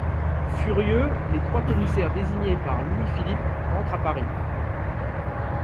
Furieux, les trois commissaires désignés par Louis-Philippe rentrent à Paris.